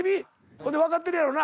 ほんで分かってるやろな。